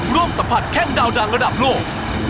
สัมผัสแข้งดาวดังระดับโลก